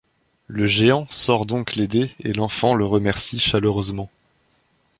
Le Géant sort donc l'aider et l'enfant le remercie chaleureusement.